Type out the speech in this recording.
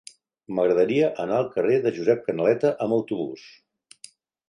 M'agradaria anar al carrer de Josep Canaleta amb autobús.